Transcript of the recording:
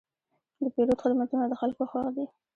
د پیرود خدمتونه د خلکو خوښ دي.